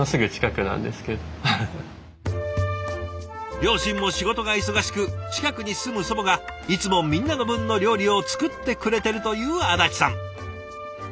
両親も仕事が忙しく近くに住む祖母がいつもみんなの分の料理を作ってくれてるという安達さん。